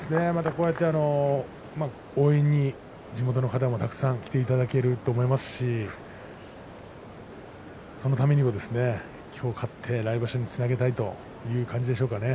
こうやって応援に地元の方もたくさん来ていただけると思いますしそのためには今日勝って来場所につなげたいという感じでしょうかね。